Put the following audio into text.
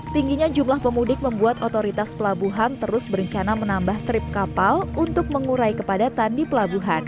tingginya jumlah pemudik membuat otoritas pelabuhan terus berencana menambah trip kapal untuk mengurai kepadatan di pelabuhan